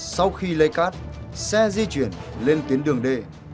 sau khi lấy cát xe di chuyển lên tuyến đường d